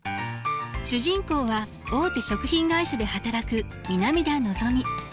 主人公は大手食品会社で働く南田のぞみ。